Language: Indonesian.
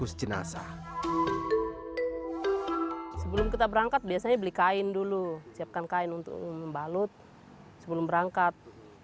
siapkan kain untuk membalut sebelum berangkat